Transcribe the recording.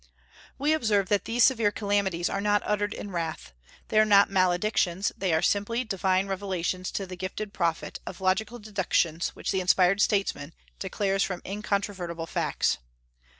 We observe that these severe calamities are not uttered in wrath. They are not maledictions; they are simply divine revelations to the gifted prophet, or logical deductions which the inspired statesman declares from incontrovertible facts.